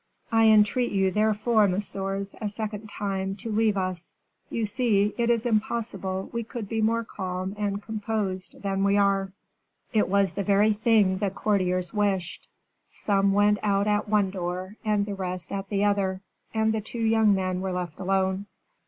I entreat you, therefore, messieurs, a second time, to leave us. You see, it is impossible we could be more calm and composed than we are." It was the very thing the courtiers wished; some went out at one door, and the rest at the other, and the two young men were left alone.